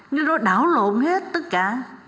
nhưng nó đảo lộn hết tất cả